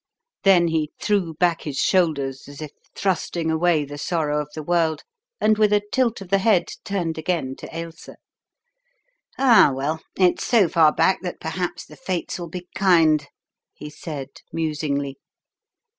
Then he threw back his shoulders as if thrusting away the sorrow of the world, and with a tilt of the head, turned again to Ailsa. "Ah, well, it's so far back that perhaps the fates will be kind," he said, musingly.